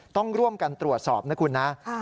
ต้องร่วมกันตรวจสอบนะคุณนะ